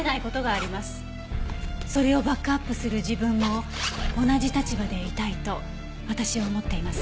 それをバックアップする自分も同じ立場でいたいと私は思っています。